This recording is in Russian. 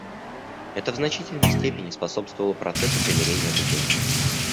Это в значительной степени способствовало процессу примирения в регионе.